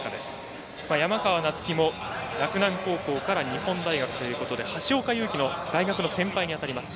山川夏輝も、洛南高校から日本大学ということで橋岡優輝の大学の先輩にあたります。